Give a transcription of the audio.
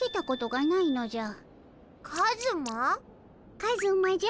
カズマじゃ。